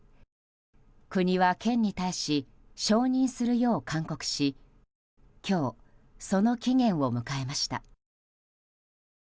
国は県に対し承認するよう勧告し今日、その期限を迎えました。